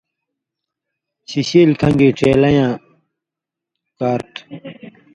شِشیلیۡ کَھن٘گی ڇیلیں یاں کار تُھو۔